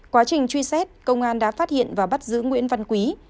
quá trình truy xét công an đã phát hiện và bắt giữ nguyễn văn quý